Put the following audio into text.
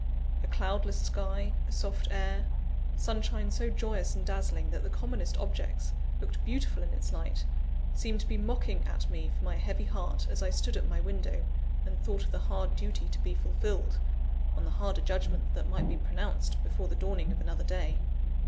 A cloudless sky, a soft air, sunshine so joyous and dazzling that the commonest objects looked beautiful in its light, seemed to be mocking at me for my heavy heart, as I stood at my window, and thought of the hard duty to be fulfilled, on the harder judgment that might be pronounced, before the dawning of another day.